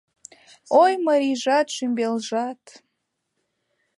Ой, марийжат, шӱмбелжат.